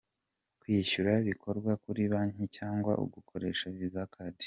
Kwishyura bikorwa kuri banki cyangwa ugakoresha Visa Card.